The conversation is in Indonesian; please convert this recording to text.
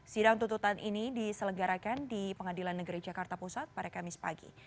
sidang tuntutan ini diselenggarakan di pengadilan negeri jakarta pusat pada kamis pagi